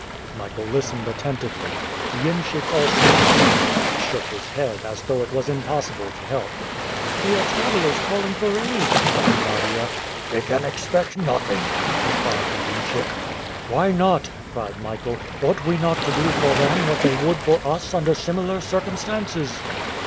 Michael listened attentively. The iemschik also listened, but shook his head, as though it was impossible to help. "They are travelers calling for aid," cried Nadia. "They can expect nothing," replied the iemschik. "Why not?" cried Michael. "Ought not we do for them what they would for us under similar circumstances?"